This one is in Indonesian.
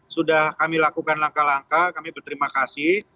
sudah kami lakukan langkah langkah kami berterima kasih